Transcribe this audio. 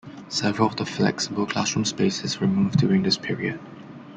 Several of the flexible class-room spaces were removed during this period.